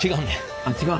あっ違う。